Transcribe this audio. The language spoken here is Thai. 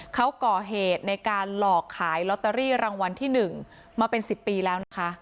เขาก่อเหตุในการหลอกขายลอตเตอรี่รางวัลที่๑มาเป็น๑๐ปีแล้วนะคะ